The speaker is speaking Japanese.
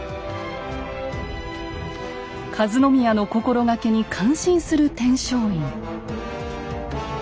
和宮の心掛けに感心する天璋院。